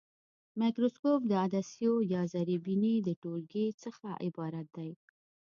مایکروسکوپ د عدسیو یا زرې بیني د ټولګې څخه عبارت دی.